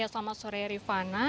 selamat sore rifana